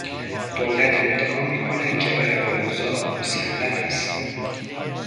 دولت ادعا میکند که بر اوضاع مسلط است.